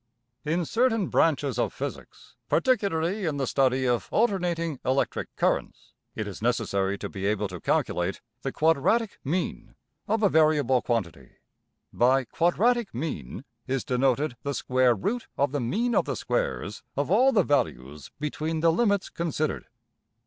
} In certain branches of physics, particularly in the study of alternating electric currents, it is necessary to be able to calculate the \emph{quadratic mean} of a variable quantity. By ``quadratic mean'' is denoted the square root of the mean of the squares of all the values between the limits considered.